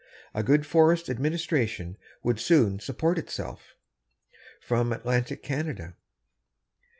A good forest administration would soon support itself. _From January Atlantic.